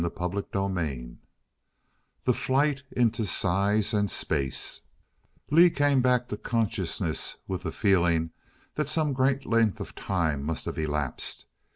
CHAPTER II The Flight Into Size and Space Lee came back to consciousness with the feeling that some great length of time must have elapsed.